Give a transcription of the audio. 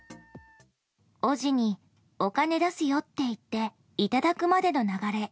おぢにお金出すよって言って頂くまでの流れ。